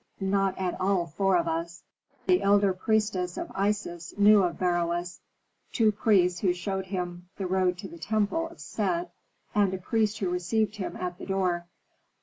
"Not at all four of us. The elder priestess of Isis knew of Beroes, two priests who showed him the road to the temple of Set, and a priest who received him at the door.